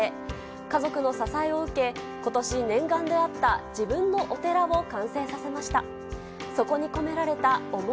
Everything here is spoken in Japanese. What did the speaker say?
家族の支えを受け、ことし、念願であった自分のお寺を完成させました。